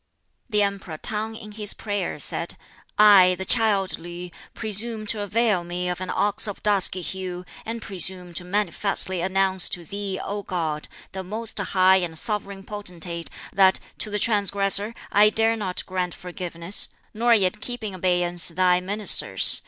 The Emperor T'ang in his prayer, said, "I, the child Li, presume to avail me of an ox of dusky hue, and presume to manifestly announce to Thee, O God, the most high and Sovereign Potentate, that to the transgressor I dare not grant forgiveness, nor yet keep in abeyance Thy ministers.